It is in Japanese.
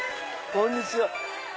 こんにちは。